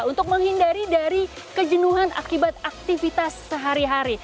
untuk menghindari dari kejenuhan akibat aktivitas sehari hari